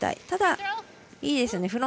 ただ、いいですよね。